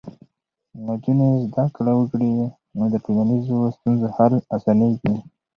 نجونې زده کړه وکړي، نو د ټولنیزو ستونزو حل اسانېږي.